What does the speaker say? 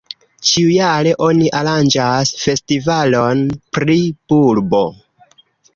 Ĉiujare oni aranĝas festivalon pri bulbo.